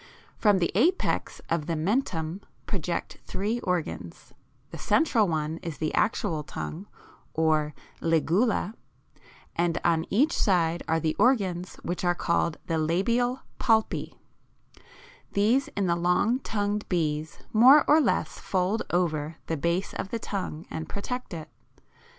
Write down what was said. From the apex of the mentum project three organs; the central one is the actual tongue (or ligula, 20, E), and on each side are the organs which are called the labial palpi (20, F); these in the long tongued bees more or less fold over the base of the tongue and protect it.